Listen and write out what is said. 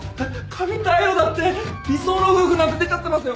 「神対応」だって「理想の夫婦」なんて出ちゃってますよ！